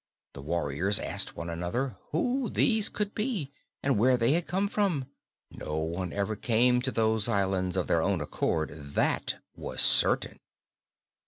The warriors asked one another who these could be, and where they had come from? No one ever came to those islands of their own accord, that was certain.